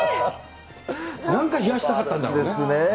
なんか冷やしたかったんですね。